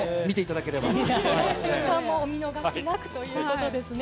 そちらもお見逃しなくということですね。